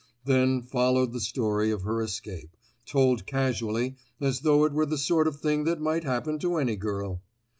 Then followed the story of her escape, told casually, as though it were the sort of thing that might happen to any girl.